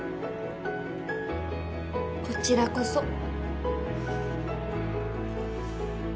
こちらこそ。